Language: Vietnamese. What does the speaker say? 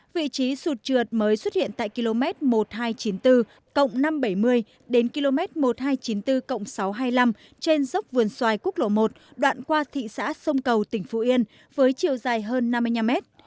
vị trí sụt trượt mới xuất hiện tại km một nghìn hai trăm chín mươi bốn năm trăm bảy mươi đến km một nghìn hai trăm chín mươi bốn sáu trăm hai mươi năm trên dốc vườn xoài quốc lộ một đoạn qua thị xã sông cầu tỉnh phú yên với chiều dài hơn năm mươi năm mét